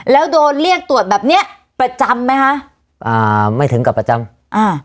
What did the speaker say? แล้วโดนเรียกตรวจแบบเนี้ยประจำไหมคะอ่าไม่ถึงกับประจำอ่า